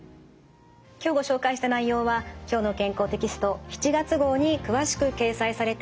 今日ご紹介した内容は「きょうの健康」テキスト７月号に詳しく掲載されています。